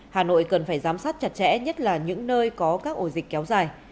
hà nội cần phải giám sát chặt chẽ nhất là những nơi có các ổ dịch kéo dài